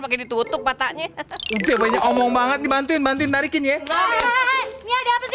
pakai ditutup patahnya udah banyak omong banget dibantuin bantuin tarikin ya ini ada apa sih